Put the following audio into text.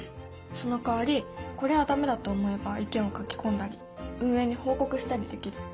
そのかわりこれは駄目だと思えば意見を書き込んだり運営に報告したりできる。